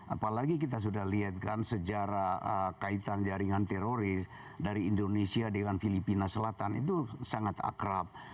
apalagi kita sudah lihat kan sejarah kaitan jaringan teroris dari indonesia dengan filipina selatan itu sangat akrab